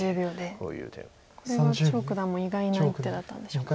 これは張栩九段も意外な一手だったんでしょうか。